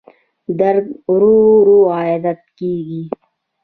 درد ورو ورو عادت کېږي.